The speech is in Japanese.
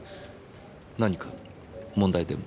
何か問題でも？